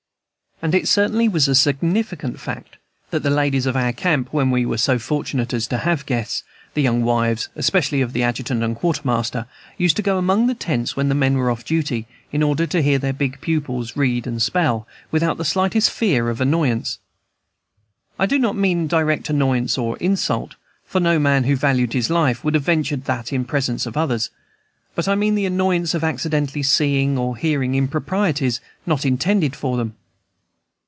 And it certainly was a significant fact that the ladies of our camp, when we were so fortunate as to have such guests, the young wives, especially, of the adjutant and quartermaster, used to go among the tents when the men were off duty, in order to hear their big pupils read and spell, without the slightest fear of annoyance. I do not mean direct annoyance or insult, for no man who valued his life would have ventured that in presence of the others, but I mean the annoyance of accidentally seeing or hearing improprieties not intended for them.